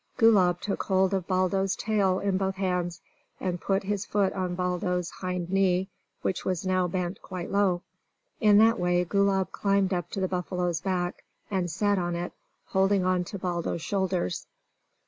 Gulab took hold of Baldo's tail in both hands, and put his foot on Baldo's hind knee, which was now bent quite low. In that way Gulab climbed up to the buffalo's back, and sat on it, holding on to Baldo's shoulders.